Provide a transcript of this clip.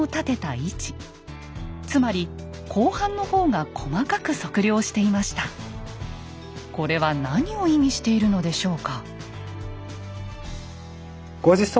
つまりこれは何を意味しているのでしょうか？